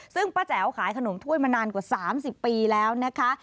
ซึ่งป้าแจ๋วขายขนมถ้วยมานานกว่า๓๐ปีแล้วนะคะ